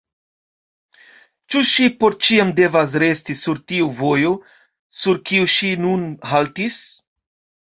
Ĉu ŝi por ĉiam devas resti sur tiu vojo, sur kiu ŝi nun haltis?